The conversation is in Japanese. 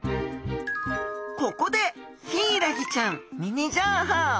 ここでヒイラギちゃんミニ情報。